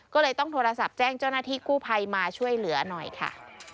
ก็เลยต้องโทรศัพท์แจ้งเจ้าหน้าที่กู้ภัยมาช่วยเหลือหน่อยค่ะ